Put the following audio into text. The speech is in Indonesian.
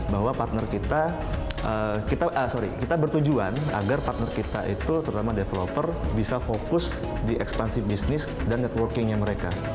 bahwa partner kita sorry kita bertujuan agar partner kita itu terutama developer bisa fokus di ekspansi bisnis dan networkingnya mereka